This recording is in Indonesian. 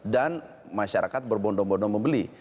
dan masyarakat berbondong bondong membeli